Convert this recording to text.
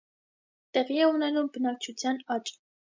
Տեղի է ունենում բնակչության աճ։